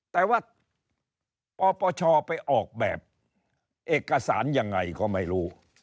แต่ว่าปปชไปออกแบบเอกสารยังไงก็ไม่รู้